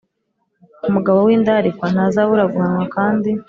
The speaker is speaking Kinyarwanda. Umugabo w indarikwa ntazabura guhanwa Kandi